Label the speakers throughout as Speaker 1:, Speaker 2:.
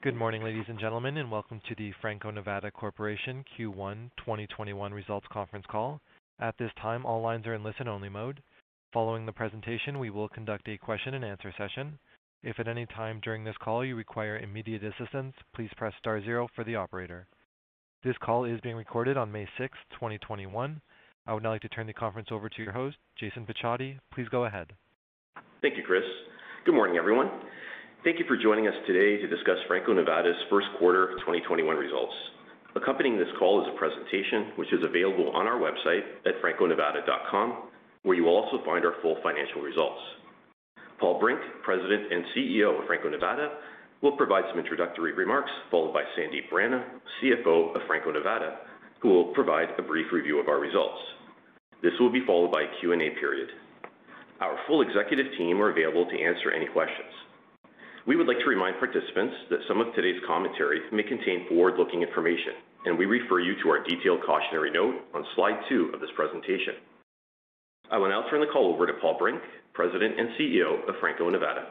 Speaker 1: Good morning, ladies and gentlemen, welcome to the Franco-Nevada Corporation Q1 2021 results conference call. At this time, all lines are in listen-only mode. Following the presentation, we will conduct a question and answer session. If at any time during this call you require immediate assistance, please press star 0 for the operator. This call is being recorded on May 6th, 2021. I would now like to turn the conference over to your host, Jason Picciotti. Please go ahead.
Speaker 2: Thank you, Chris. Good morning, everyone. Thank you for joining us today to discuss Franco-Nevada's Q1 of 2021 results. Accompanying this call is a presentation which is available on our website at franco-nevada.com, where you'll also find our full financial results. Paul Brink, President and Chief Executive Officer of Franco-Nevada, will provide some introductory remarks, followed by Sandip Rana, Chief Financial Officer of Franco-Nevada, who will provide a brief review of our results. This will be followed by a Q&A period. Our full executive team are available to answer any questions. We would like to remind participants that some of today's commentary may contain forward-looking information. We refer you to our detailed cautionary note on slide two of this presentation. I will now turn the call over to Paul Brink, President and Chief Executive Officer of Franco-Nevada.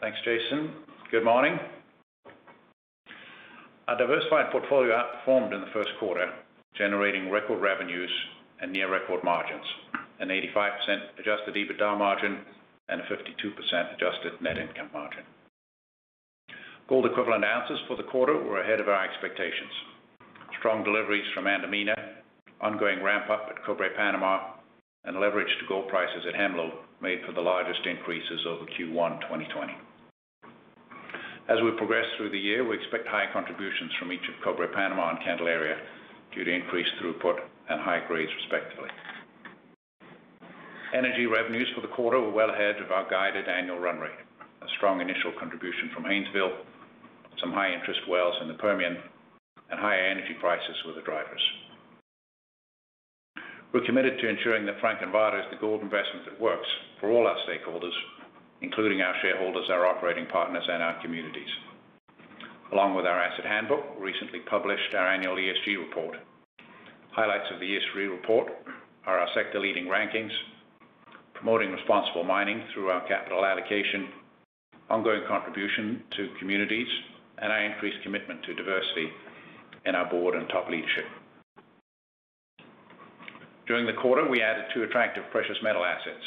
Speaker 3: Thanks, Jason. Good morning. Our diversified portfolio outperformed in the Q1, generating record revenues and near record margins, an 85% adjusted EBITDA margin and a 52% adjusted net income margin. Gold Equivalent Ounces for the quarter were ahead of our expectations. Strong deliveries from Antamina, ongoing ramp-up at Cobre Panama, and leverage to gold prices at Hemlo made for the largest increases over Q1 2020. As we progress through the year, we expect high contributions from each of Cobre Panama and Candelaria due to increased throughput and high grades, respectively. Energy revenues for the quarter were well ahead of our guided annual run rate. A strong initial contribution from Haynesville, some high-interest wells in the Permian, and higher energy prices were the drivers. We're committed to ensuring that Franco-Nevada is the gold investment that works for all our stakeholders, including our shareholders, our operating partners, and our communities. Along with our asset handbook, we recently published our annual ESG report. Highlights of the ESG report are our sector leading rankings, promoting responsible mining through our capital allocation, ongoing contribution to communities, and our increased commitment to diversity in our board and top leadership. During the quarter, we added two attractive precious metal assets,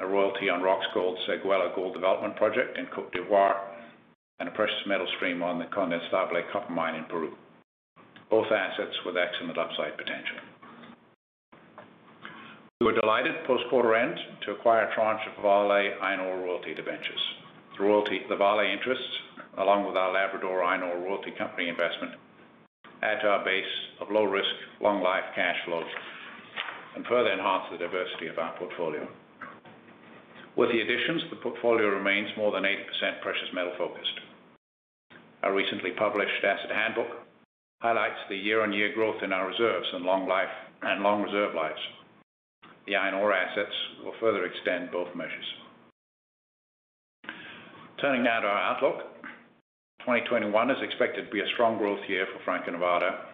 Speaker 3: a royalty on Roxgold Séguéla Gold development project in Côte d'Ivoire, and a precious metal stream on the Condestable copper mine in Peru, both assets with excellent upside potential. We were delighted post-quarter end to acquire a tranche of Vale iron ore royalty debentures. The royalty of the Vale interests, along with our Labrador Iron Ore Royalty Corporation investment, add to our base of low-risk, long-life cash flows and further enhance the diversity of our portfolio. With the additions, the portfolio remains more than 80% precious metal-focused. Our recently published asset handbook highlights the year-on-year growth in our reserves and long reserve lives. The iron ore assets will further extend both measures. Turning now to our outlook. 2021 is expected to be a strong growth year for Franco-Nevada,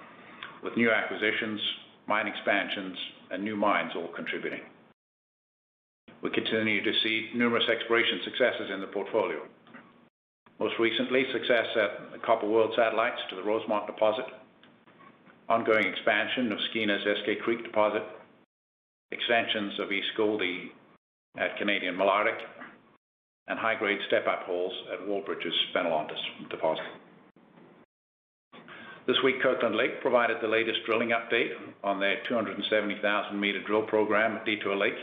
Speaker 3: with new acquisitions, mine expansions, and new mines all contributing. We continue to see numerous exploration successes in the portfolio. Most recently, success at the Copper World satellites to the Rosemont deposit, ongoing expansion of Skeena's Eskay Creek deposit, extensions of East Goldie at Canadian Malartic, and high-grade step-up holes at Wallbridge's Spitfires deposit. This week, Kirkland Lake provided the latest drilling update on their 270,000 m drill program at Detour Lake.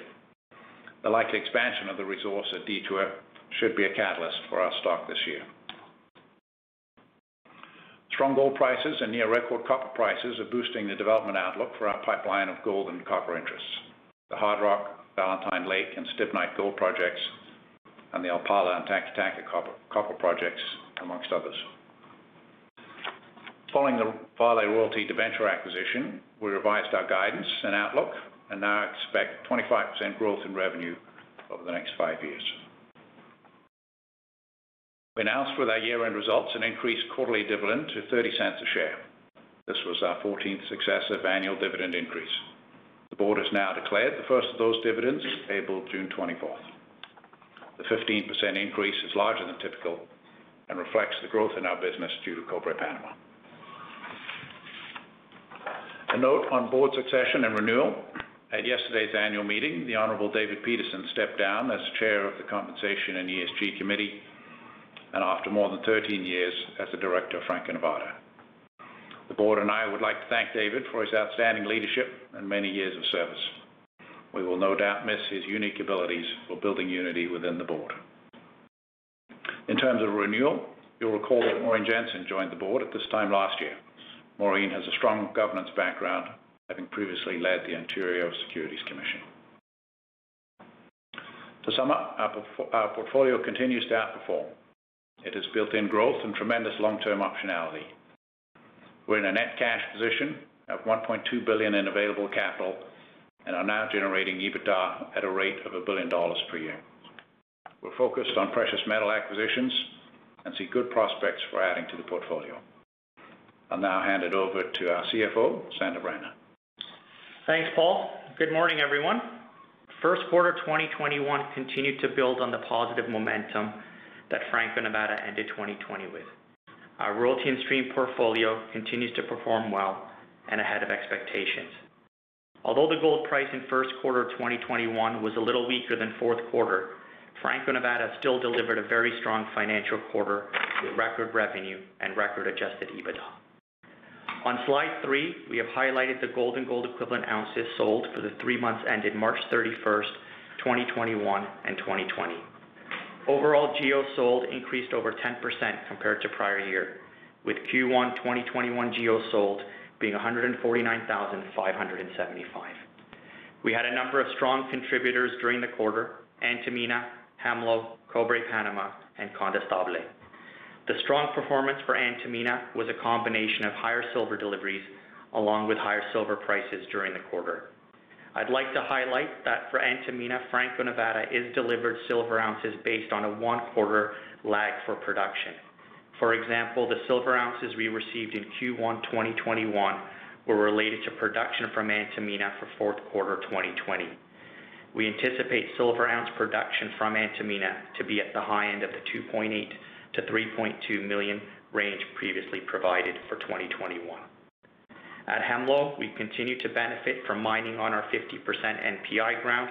Speaker 3: The likely expansion of the resource at Detour should be a catalyst for our stock this year. Strong gold prices and near-record copper prices are boosting the development outlook for our pipeline of gold and copper interests, the Hardrock, Valentine Lake, and Stibnite gold projects, and the El Palmar and Tantahuatay copper projects, amongst others. Following the Vale Royalty debenture acquisition, we revised our guidance and outlook and now expect 25% growth in revenue over the next five years. We announced with our year-end results an increased quarterly dividend to $0.30 a share. This was our 14th successive annual dividend increase. The board has now declared the first of those dividends, payable June 24th. The 15% increase is larger than typical and reflects the growth in our business due to Cobre Panama. A note on board succession and renewal. At yesterday's annual meeting, the Honorable David Peterson stepped down as chair of the Compensation and ESG Committee, and after more than 13 years as a director of Franco-Nevada. The board and I would like to thank David for his outstanding leadership and many years of service. We will no doubt miss his unique abilities for building unity within the board. In terms of renewal, you'll recall that Maureen Jensen joined the board at this time last year. Maureen has a strong governance background, having previously led the Ontario Securities Commission. To sum up, our portfolio continues to outperform. It has built-in growth and tremendous long-term optionality. We're in a net cash position, have $1.2 billion in available capital, and are now generating EBITDA at a rate of $1 billion per year. We're focused on precious metal acquisitions and see good prospects for adding to the portfolio. I'll now hand it over to our CFO, Sandip Rana.
Speaker 4: Thanks, Paul. Good morning, everyone. Q1 2021 continued to build on the positive momentum that Franco-Nevada ended 2020 with. Our royalty and stream portfolio continues to perform well and ahead of expectations. Although the gold price in Q1 2021 was a little weaker than Q4, Franco-Nevada still delivered a very strong financial quarter with record revenue and record adjusted EBITDA. On slide three, we have highlighted the Gold Equivalent Ounces sold for the three months ended March 31st, 2021 and 2020. Overall geos sold increased over 10% compared to prior year, with Q1 2021 geos sold being 149,575. We had a number of strong contributors during the quarter, Antamina, Hemlo, Cobre Panama, and Condestable. The strong performance for Antamina was a combination of higher silver deliveries along with higher silver prices during the quarter. I'd like to highlight that for Antamina, Franco-Nevada is delivered silver ounces based on a one-quarter lag for production. For example, the silver ounces we received in Q1 2021 were related to production from Antamina for Q4 2020. We anticipate silver ounce production from Antamina to be at the high end of the 2.8 million-3.2 million range previously provided for 2021. At Hemlo, we continue to benefit from mining on our 50% NPI ground.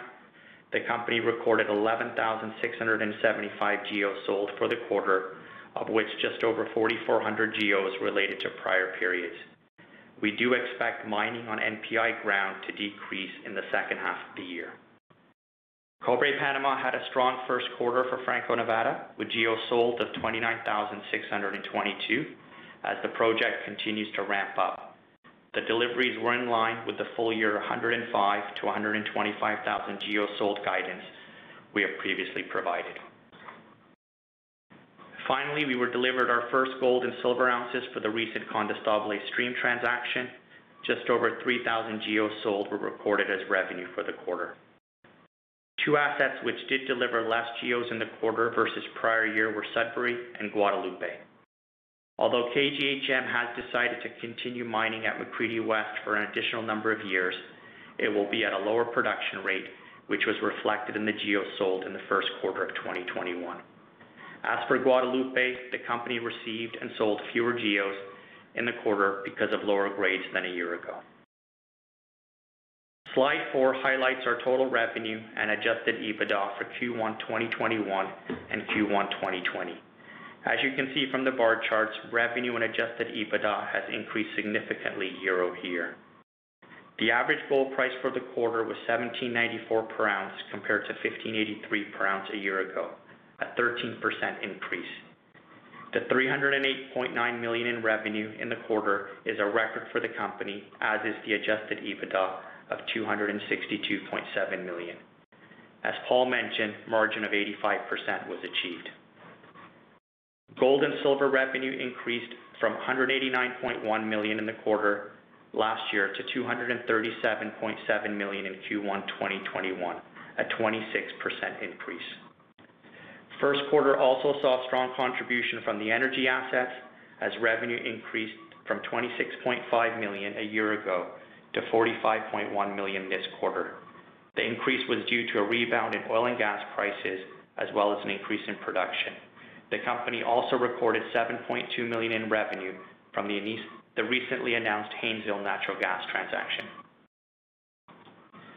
Speaker 4: The company recorded 11,675 GEOs sold for the quarter, of which just over 4,400 GEOs related to prior periods. We do expect mining on NPI ground to decrease in the second half of the year. Cobre Panama had a strong Q1 for Franco-Nevada with GEOs sold of 29,622 as the project continues to ramp up. The deliveries were in line with the full year 105,000-125,000 GEOs sold guidance we have previously provided. Finally, we were delivered our first gold and silver ounces for the recent Condestable stream transaction. Just over 3,000 GEOs sold were recorded as revenue for the quarter. Two assets which did deliver less GEOs in the quarter versus prior year were Sudbury and Guadalupe. Although KGHM has decided to continue mining at McCreedy West for an additional number of years, it will be at a lower production rate, which was reflected in the GEOs sold in the Q1 of 2021. As for Guadalupe, the company received and sold fewer GEOs in the quarter because of lower grades than a year ago. Slide four highlights our total revenue and adjusted EBITDA for Q1 2021 and Q1 2020. As you can see from the bar charts, revenue and adjusted EBITDA has increased significantly year-over-year. The average gold price for the quarter was $1,794 per ounce compared to $1,583 per ounce a year ago, a 13% increase. The $308.9 million in revenue in the quarter is a record for the company, as is the adjusted EBITDA of $262.7 million. As Paul mentioned, margin of 85% was achieved. Gold and silver revenue increased from $189.1 million in the quarter last year to $237.7 million in Q1 2021, a 26% increase. Q1 also saw strong contribution from the energy assets as revenue increased from $26.5 million a year ago to $45.1 million this quarter. The increase was due to a rebound in oil and gas prices, as well as an increase in production. The company also reported $7.2 million in revenue from the recently announced Haynesville Natural Gas transaction.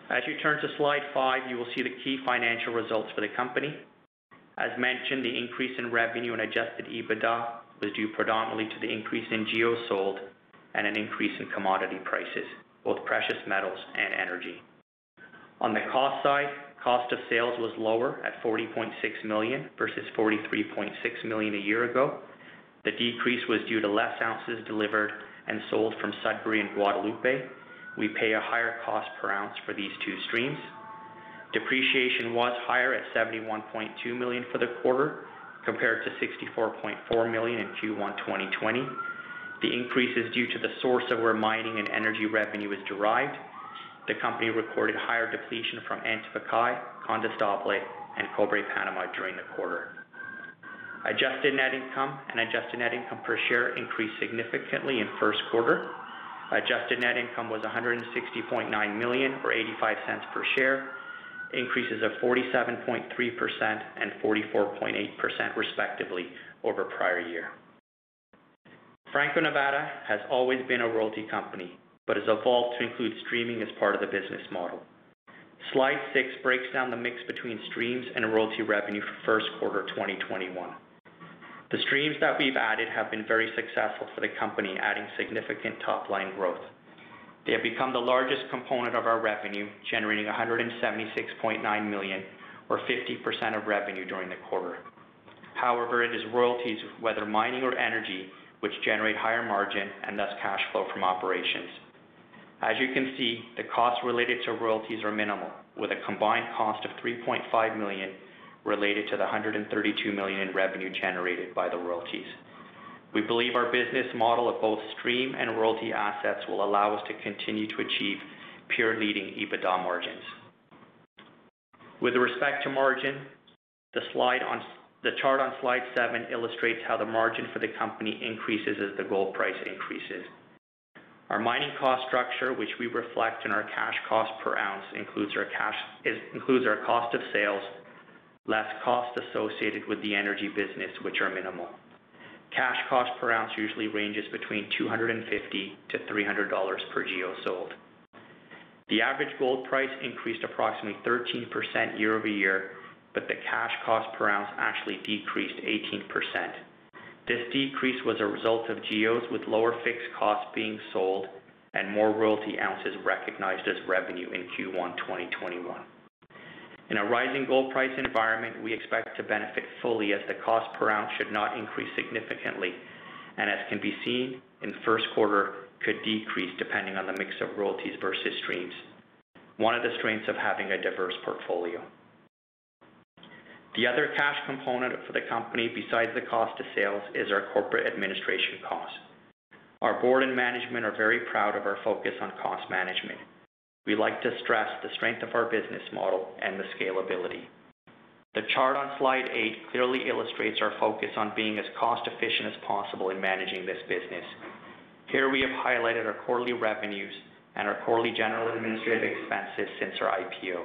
Speaker 4: As you turn to slide five, you will see the key financial results for the company. As mentioned, the increase in revenue and adjusted EBITDA was due predominantly to the increase in geos sold and an increase in commodity prices, both precious metals and energy. On the cost side, cost of sales was lower at $40.6 million versus $43.6 million a year ago. The decrease was due to less ounces delivered and sold from Sudbury and Guadalupe. We pay a higher cost per ounce for these two streams. Depreciation was higher at $71.2 million for the quarter, compared to $64.4 million in Q1 2020. The increase is due to the source of where mining and energy revenue is derived. The company recorded higher depletion from Antofagasta, Condestable, and Cobre Panama during the quarter. Adjusted net income and adjusted net income per share increased significantly in Q1. Adjusted net income was $160.9 million or $0.85 per share, increases of 47.3% and 44.8% respectively over prior year. Franco-Nevada has always been a royalty company, but has evolved to include streaming as part of the business model. Slide six breaks down the mix between streams and royalty revenue for Q1 2021. The streams that we've added have been very successful for the company, adding significant top-line growth. They have become the largest component of our revenue, generating $176.9 million or 50% of revenue during the quarter. However, it is royalties, whether mining or energy, which generate higher margin and thus cash flow from operations. As you can see, the costs related to royalties are minimal, with a combined cost of $3.5 million related to the $132 million in revenue generated by the royalties. We believe our business model of both stream and royalty assets will allow us to continue to achieve peer-leading EBITDA margins. With respect to margin, the chart on slide seven illustrates how the margin for the company increases as the gold price increases. Our mining cost structure, which we reflect in our cash cost per ounce, includes our cost of sales less costs associated with the energy business, which are minimal. Cash cost per ounce usually ranges $250-$300 per geo sold. The average gold price increased approximately 13% year-over-year, the cash cost per ounce actually decreased 18%. This decrease was a result of geos with lower fixed costs being sold and more royalty ounces recognized as revenue in Q1 2021. In a rising gold price environment, we expect to benefit fully as the cost per ounce should not increase significantly, and as can be seen in the Q1, could decrease depending on the mix of royalties versus streams, one of the strengths of having a diverse portfolio. The other cash component for the company besides the cost of sales is our corporate administration cost. Our board and management are very proud of our focus on cost management. We like to stress the strength of our business model and the scalability. The chart on slide eight clearly illustrates our focus on being as cost-efficient as possible in managing this business. Here we have highlighted our quarterly revenues and our quarterly general administrative expenses since our IPO.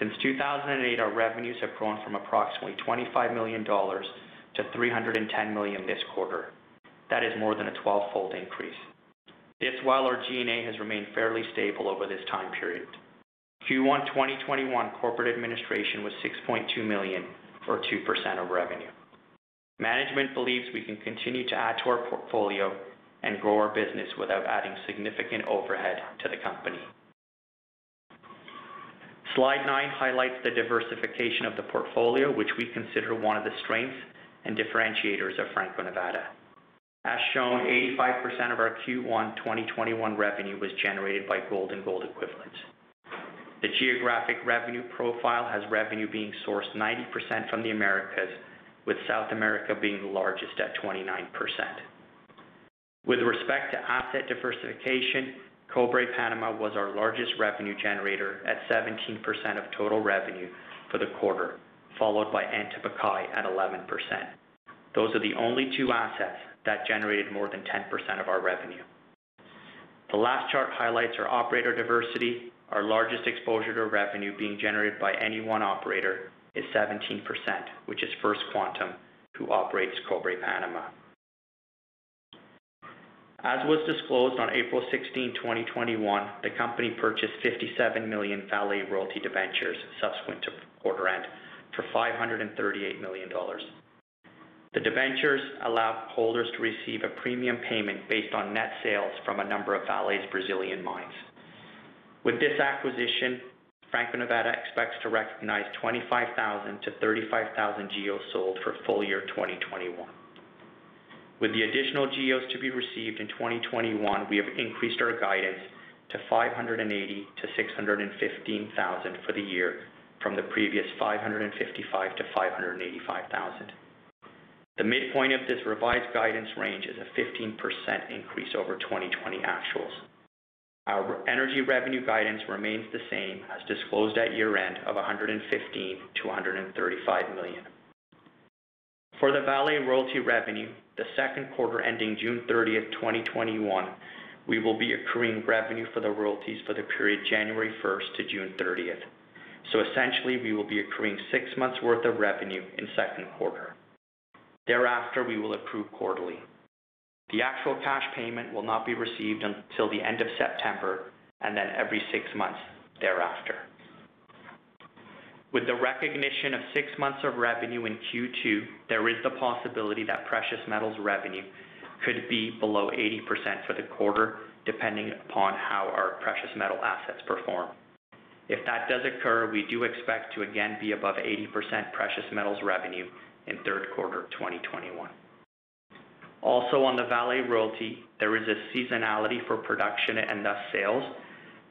Speaker 4: Since 2008, our revenues have grown from approximately $25 million-$310 million this quarter. That is more than a 12-fold increase. This while our G&A has remained fairly stable over this time period. Q1 2021 corporate administration was $6.2 million, or 2% of revenue. Management believes we can continue to add to our portfolio and grow our business without adding significant overhead to the company. Slide nine highlights the diversification of the portfolio, which we consider one of the strengths and differentiators of Franco-Nevada. As shown, 85% of our Q1 2021 revenue was generated by gold and gold equivalents. The geographic revenue profile has revenue being sourced 90% from the Americas, with South America being the largest at 29%. With respect to asset diversification, Cobre Panama was our largest revenue generator at 17% of total revenue for the quarter, followed by Antamina at 11%. Those are the only two assets that generated more than 10% of our revenue. The last chart highlights our operator diversity, our largest exposure to revenue being generated by any one operator is 17%, which is First Quantum, who operates Cobre Panama. As was disclosed on April 16th, 2021, the company purchased 57 million Vale royalty debentures subsequent to quarter end for $538 million. The debentures allow holders to receive a premium payment based on net sales from a number of Vale's Brazilian mines. With this acquisition, Franco-Nevada expects to recognize 25,000-5,000 GEOs sold for full year 2021. With the additional GEOs to be received in 2021, we have increased our guidance to 580,000-615,000 for the year from the previous 555,000-585,000. The midpoint of this revised guidance range is a 15% increase over 2020 actuals. Our energy revenue guidance remains the same as disclosed at year-end of $115 million-$135 million. For the Vale royalty revenue, the Q2 ending June 30th, 2021, we will be accruing revenue for the royalties for the period January 1st to June 30th. Essentially, we will be accruing six months' worth of revenue in Q2. Thereafter, we will accrue quarterly. The actual cash payment will not be received until the end of September, and then every six months thereafter. With the recognition of six months of revenue in Q2, there is the possibility that precious metals revenue could be below 80% for the quarter, depending upon how our precious metal assets perform. If that does occur, we do expect to again be above 80% precious metals revenue in Q3 2021. Also on the Vale royalty, there is a seasonality for production and thus sales,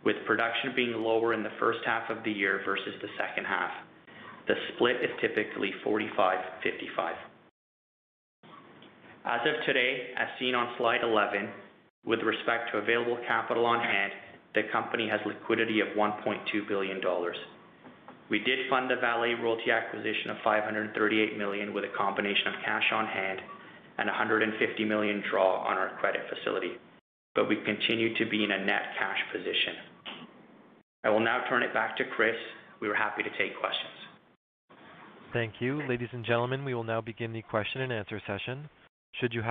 Speaker 4: with production being lower in the first half of the year versus the second half. The split is typically 45:55. As of today, as seen on slide 11, with respect to available capital on hand, the company has liquidity of $1.2 billion. We did fund the Vale royalty acquisition of $538 million with a combination of cash on hand and $150 million draw on our credit facility. We continue to be in a net cash position. I will now turn it back to Chris. We are happy to take questions.
Speaker 1: Thank you. Ladies and gentlemen, we will now begin the question and answer session. Your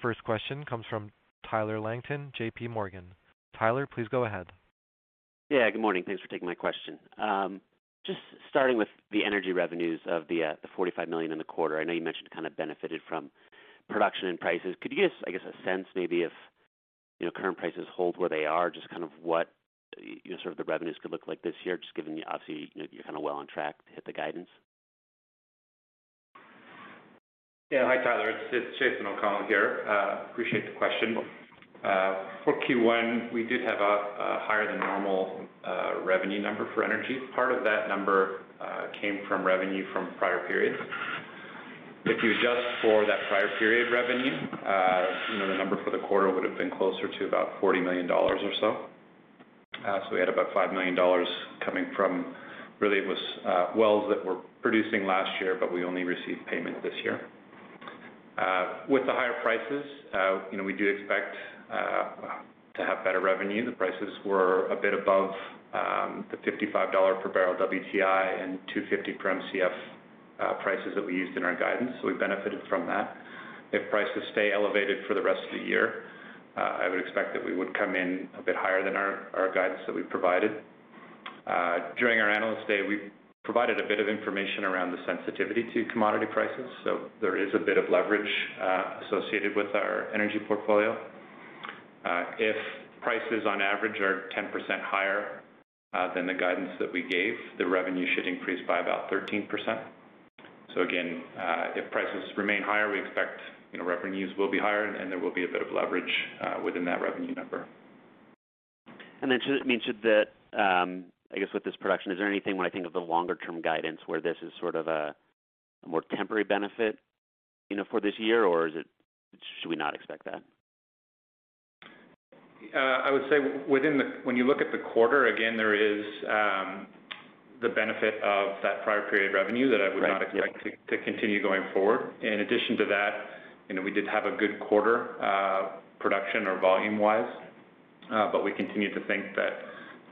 Speaker 1: first question comes from Tyler Langton, JPMorgan. Tyler, please go ahead.
Speaker 5: Yeah, good morning. Thanks for taking my question. Just starting with the energy revenues of the $45 million in the quarter. I know you mentioned it kind of benefited from production and prices. Could you give us, I guess, a sense maybe if current prices hold where they are, just what the revenues could look like this year, just given obviously you're well on track to hit the guidance?
Speaker 6: Yeah. Hi, Tyler. It's Jason O'Connell here. Appreciate the question. For Q1, we did have a higher than normal revenue number for energy. Part of that number came from revenue from prior periods. If you adjust for that prior period revenue, the number for the quarter would've been closer to about $40 million or so. We had about $5 million coming from, really, it was wells that were producing last year, but we only received payment this year. With the higher prices, we do expect to have better revenue. The prices were a bit above the $55 per barrel WTI and 250 per MCF prices that we used in our guidance, so we've benefited from that. If prices stay elevated for the rest of the year, I would expect that we would come in a bit higher than our guidance that we provided. During our Analyst Day, we provided a bit of information around the sensitivity to commodity prices. There is a bit of leverage associated with our energy portfolio. If prices on average are 10% higher than the guidance that we gave, the revenue should increase by about 13%. Again, if prices remain higher, we expect revenues will be higher and there will be a bit of leverage within that revenue number.
Speaker 5: I guess with this production, is there anything when I think of the longer term guidance where this is sort of a more temporary benefit for this year or should we not expect that?
Speaker 6: I would say, when you look at the quarter, again, there is the benefit of that prior period revenue that I would not expect to continue going forward. In addition to that, we did have a good quarter, production or volume-wise. We continue to think that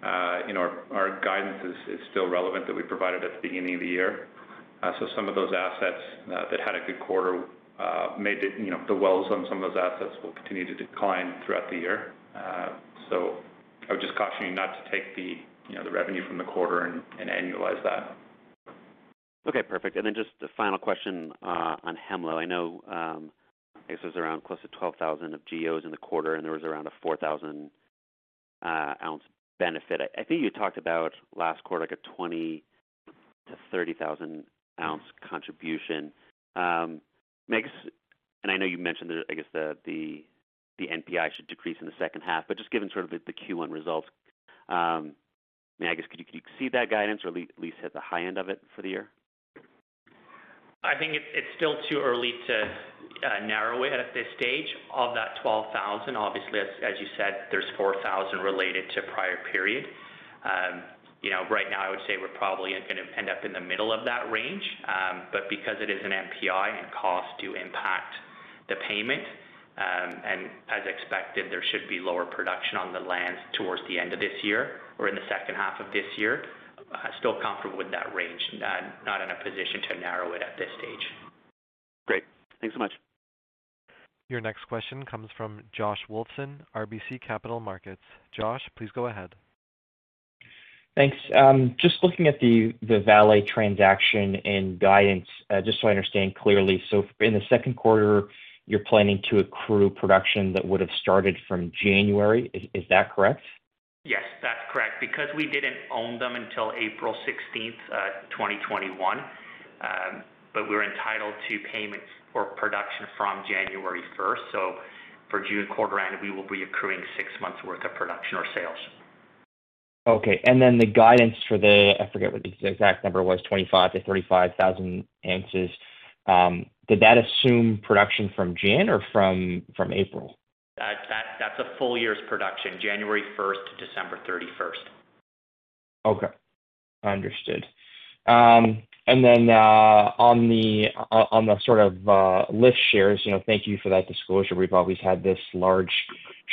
Speaker 6: our guidance is still relevant that we provided at the beginning of the year. Some of those assets that had a good quarter, the wells on some of those assets will continue to decline throughout the year. I would just caution you not to take the revenue from the quarter and annualize that.
Speaker 5: Okay, perfect. Then just the final question on Hemlo. I know, I guess it was around close to 12,000 of GEOs in the quarter, and there was around a 4,000 ounce benefit. I think you talked about last quarter, like a 20,000-30,000 ounce contribution. I know you mentioned, I guess the NPI should decrease in the second half, but just given sort of the Q1 results, could you exceed that guidance or at least hit the high end of it for the year?
Speaker 4: I think it's still too early to narrow it at this stage. Of that $12,000, obviously, as you said, there's $4,000 related to prior period. Right now, I would say we're probably going to end up in the middle of that range. Because it is an NPI and costs do impact the payment, and as expected, there should be lower production on the lands towards the end of this year or in the second half of this year, still comfortable with that range. Not in a position to narrow it at this stage.
Speaker 5: Great. Thanks so much.
Speaker 1: Your next question comes from Josh Wolfson, RBC Capital Markets. Josh, please go ahead.
Speaker 7: Thanks. Just looking at the Vale transaction and guidance, just so I understand clearly. In the Q2, you're planning to accrue production that would've started from January. Is that correct?
Speaker 4: Yes, that's correct, because we didn't own them until April 16th, 2021. We're entitled to payments for production from January 1st. For June quarter end, we will be accruing six months worth of production or sales.
Speaker 7: Okay. The guidance for the, I forget what the exact number was, 25-35,000 ounces. Did that assume production from January or from April?
Speaker 4: That's a full year's production, January 1st to December 31st.
Speaker 7: Okay. Understood. On the sort of LIF shares, thank you for that disclosure. We've always had this large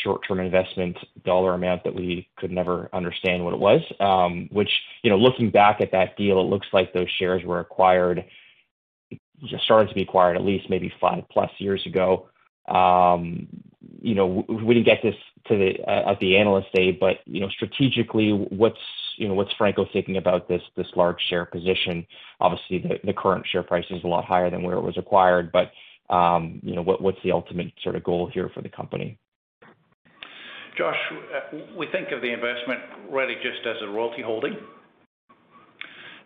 Speaker 7: short-term investment dollar amount that we could never understand what it was. Looking back at that deal, it looks like those shares were acquired, or started to be acquired, at least maybe 5+ years ago. We didn't get this at the Analyst Day. Strategically, what's Franco thinking about this large share position? Obviously, the current share price is a lot higher than where it was acquired. What's the ultimate sort of goal here for the company?
Speaker 3: Josh, we think of the investment really just as a royalty holding.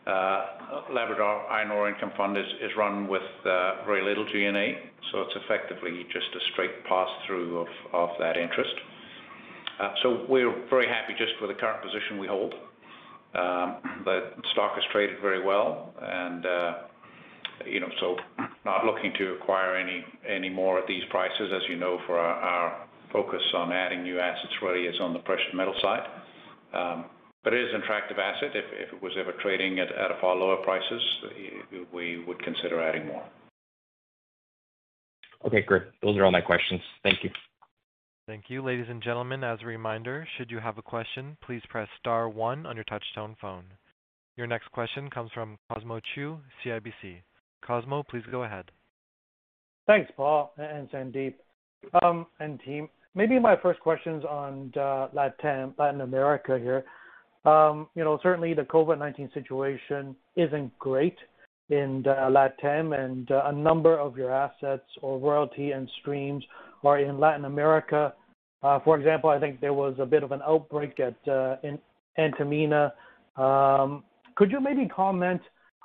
Speaker 3: Labrador Iron Ore Income Fund is run with very little G&A, so it's effectively just a straight pass-through of that interest. We're very happy just with the current position we hold. The stock has traded very well, and so not looking to acquire any more at these prices. As you know, for our focus on adding new assets really is on the precious metal side. It is an attractive asset. If it was ever trading at a far lower prices, we would consider adding more.
Speaker 7: Okay, great. Those are all my questions. Thank you.
Speaker 1: Thank you. Your next question comes from Cosmos Chiu, CIBC. Cosmos, please go ahead.
Speaker 8: Thanks, Paul, and Sandip, and team. Maybe my first question's on Latin America here. The COVID-19 situation isn't great in LatAm, and a number of your assets or royalty and streams are in Latin America. For example, I think there was a bit of an outbreak at Antamina. Could you maybe comment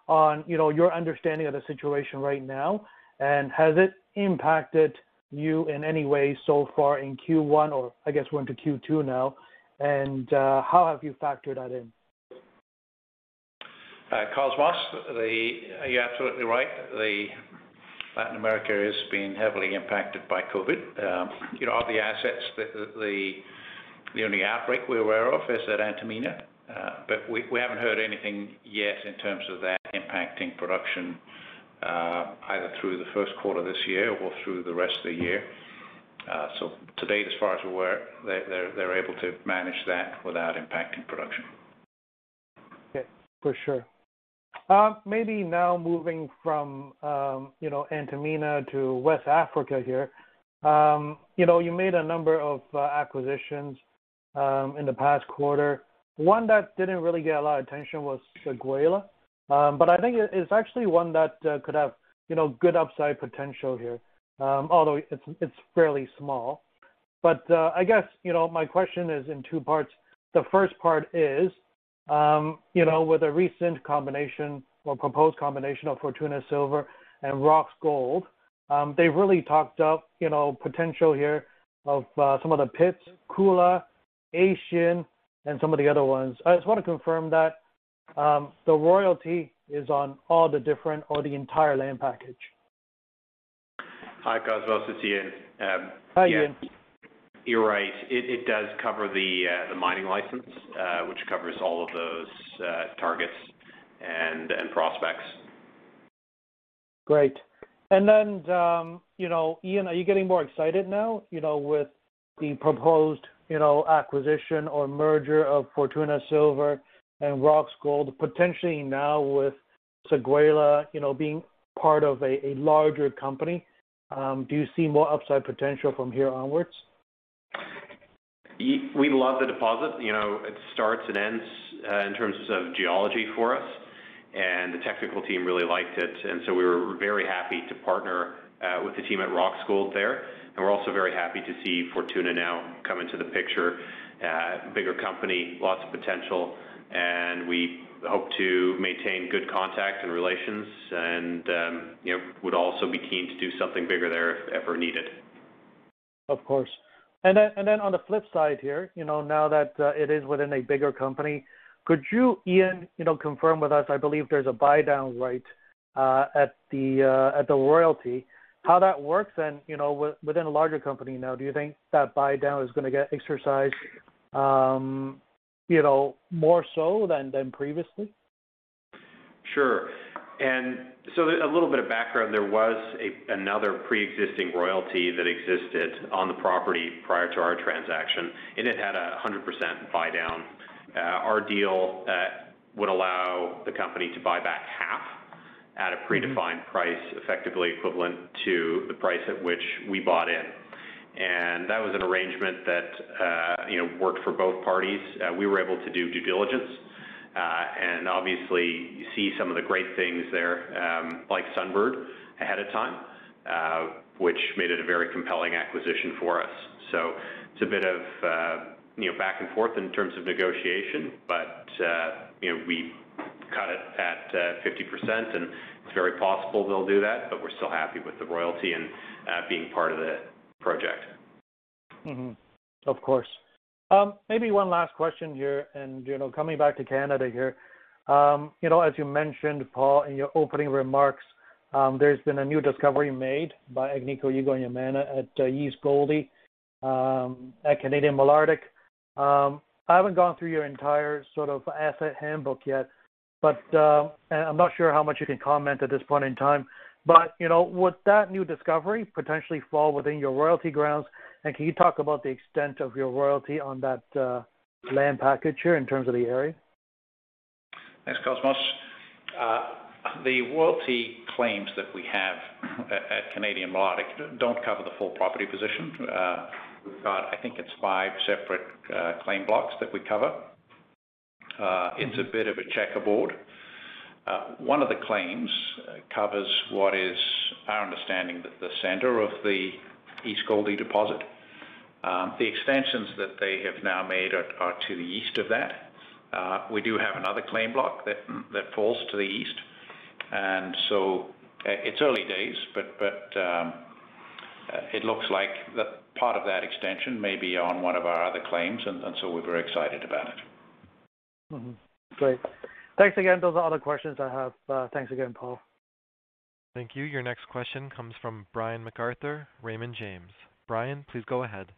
Speaker 8: on your understanding of the situation right now, and has it impacted you in any way so far in Q1 or, I guess we're into Q2 now, and how have you factored that in?
Speaker 3: Cosmos, you're absolutely right. Latin America has been heavily impacted by COVID-19. Of the assets, the only outbreak we're aware of is at Antamina, but we haven't heard anything yet in terms of that impacting production, either through the Q1 of this year or through the rest of the year. To date, as far as we're aware, they're able to manage that without impacting production.
Speaker 8: Okay, for sure. Maybe now moving from Antamina to West Africa here. You made a number of acquisitions in the past quarter. One that didn't really get a lot of attention was Séguéla, I think it's actually one that could have good upside potential here, although it's fairly small. I guess my question is in two parts. The first part is, with the recent combination, or proposed combination of Fortuna Silver and Roxgold, they've really talked up potential here of some of the pits, Kula, Ancien, and some of the other ones. I just want to confirm that the royalty is on all the different or the entire land package.
Speaker 9: Hi, Cosmos, it's Eaun.
Speaker 8: Hi, Eaun.
Speaker 9: You're right. It does cover the mining license, which covers all of those targets and prospects.
Speaker 8: Great. Eaun, are you getting more excited now with the proposed acquisition or merger of Fortuna Silver and Roxgold, potentially now with Séguéla being part of a larger company? Do you see more upside potential from here onwards?
Speaker 9: We love the deposit. It starts and ends in terms of geology for us, and the technical team really liked it, and so we were very happy to partner with the team at Roxgold there. We're also very happy to see Fortuna now come into the picture, bigger company, lots of potential, and we hope to maintain good contact and relations and would also be keen to do something bigger there if ever needed.
Speaker 8: Of course. On the flip side here, now that it is within a bigger company, could you, Eaun, confirm with us, I believe there's a buy-down right at the royalty. How that works then, within a larger company now, do you think that buy-down is going to get exercised more so than previously?
Speaker 9: Sure. A little bit of background. There was another pre-existing royalty that existed on the property prior to our transaction, and it had 100% buy-down. Our deal would allow the company to buy back half at a predefined price, effectively equivalent to the price at which we bought in. That was an arrangement that worked for both parties. We were able to do due diligence, and obviously see some of the great things there, like Sunbird ahead of time, which made it a very compelling acquisition for us. It's a bit of back and forth in terms of negotiation, but we cut it at 50%, and it's very possible they'll do that, but we're still happy with the royalty and being part of the project.
Speaker 8: Of course. Maybe one last question here, and coming back to Canada here. As you mentioned, Paul, in your opening remarks, there's been a new discovery made by Agnico Eagle and Yamana at East Goldie at Canadian Malartic. I haven't gone through your entire asset handbook yet, but I'm not sure how much you can comment at this point in time. Would that new discovery potentially fall within your royalty grounds, and can you talk about the extent of your royalty on that land package here in terms of the area?
Speaker 3: Thanks, Cosmos. The royalty claims that we have at Canadian Malartic don't cover the full property position. We've got, I think it's five separate claim blocks that we cover. It's a bit of a checkerboard. One of the claims covers what is our understanding the center of the East Goldie deposit. The extensions that they have now made are to the east of that. We do have another claim block that falls to the east. It's early days, but it looks like part of that extension may be on one of our other claims, and so we're very excited about it.
Speaker 8: Great. Thanks again. Those are all the questions I have. Thanks again, Paul.
Speaker 1: Thank you. Your next question comes from Brian MacArthur, Raymond James. Brian, please go ahead.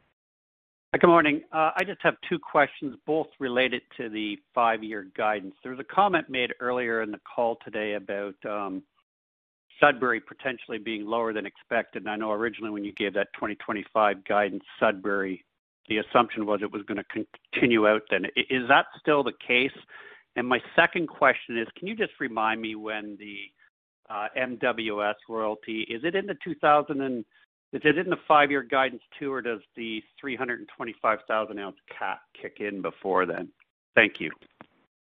Speaker 10: Good morning. I just have two questions, both related to the five-year guidance. There was a comment made earlier in the call today about Sudbury potentially being lower than expected. I know originally when you gave that 2025 guidance, Sudbury, the assumption was it was going to continue out then. Is that still the case? My second question is, can you just remind me when the MWS royalty, is it in the five-year guidance too, or does the 325,000-ounce cap kick in before then? Thank you.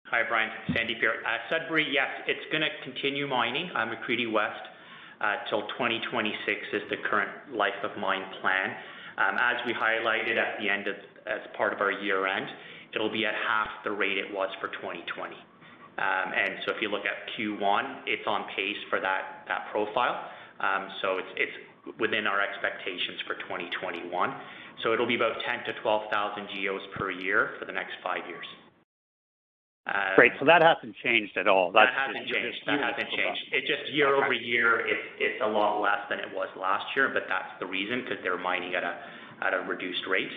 Speaker 4: Hi, Brian. Sandip Rana here. Sudbury, yes, it's going to continue mining on McCreedy West till 2026 is the current life of mine plan. As we highlighted at the end as part of our year-end, it'll be at half the rate it was for 2020. If you look at Q1, it's on pace for that profile. It's within our expectations for 2021. It'll be about 10-12,000 GEOs per year for the next five years.
Speaker 10: Great. That hasn't changed at all.
Speaker 4: That hasn't changed. It's just year-over-year, it's a lot less than it was last year. That's the reason, because they're mining at a reduced rate.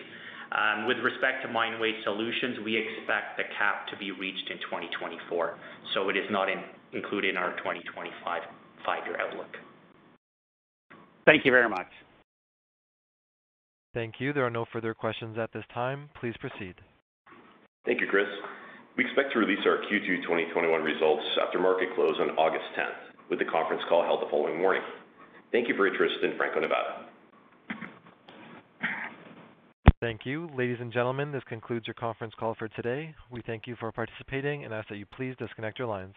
Speaker 4: With respect to Mine Waste Solutions, we expect the cap to be reached in 2024. It is not included in our 2025 five-year outlook.
Speaker 10: Thank you very much.
Speaker 1: Thank you. There are no further questions at this time. Please proceed.
Speaker 2: Thank you, Chris. We expect to release our Q2 2021 results after market close on August 10th, with the conference call held the following morning. Thank you for your interest in Franco-Nevada.
Speaker 1: Thank you. Ladies and gentlemen, this concludes your conference call for today. We thank you for participating and ask that you please disconnect your lines.